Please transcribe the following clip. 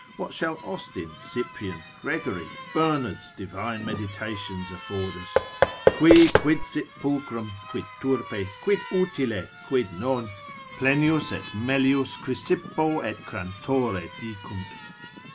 What shall Austin, Cyprian, Gregory, Bernard's divine meditations afford us? Qui quid sit pulchrum, quid turpe, quid utile, quid non, Plenius et melius Chrysippo et Crantore dicunt.